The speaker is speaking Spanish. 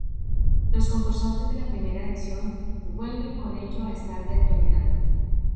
Los concursantes de la primera edición vuelven con ello a estar de actualidad.